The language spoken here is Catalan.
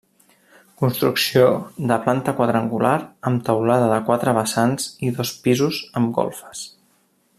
Construcció de planta quadrangular, amb teulada de quatre vessants i dos pisos amb golfes.